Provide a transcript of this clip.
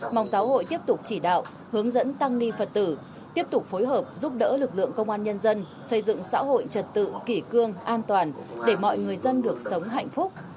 mong giáo hội tiếp tục chỉ đạo hướng dẫn tăng ni phật tử tiếp tục phối hợp giúp đỡ lực lượng công an nhân dân xây dựng xã hội trật tự kỷ cương an toàn để mọi người dân được sống hạnh phúc